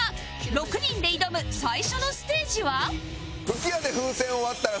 ６人で挑む最初のステージは